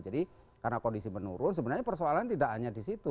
jadi karena kondisi menurun sebenarnya persoalan tidak hanya di situ